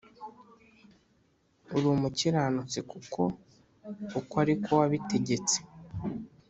uri umukiranutsi kuko uku ari ko wabitegetse.